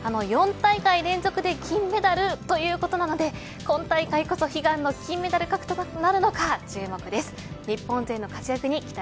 ４大会連続で銀メダルということなので今大会こそ悲願の金メダル獲得となるか注目です。